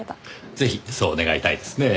ぜひそう願いたいですねぇ。